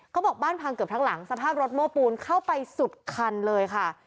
เขาบอกบ้านพังเกือบทั้งหลังสภาพรถโม้ปูนเข้าไปสุดคันเลยค่ะ